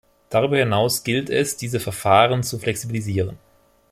Darüber hinaus gilt es, diese Verfahren zu flexibilisieren.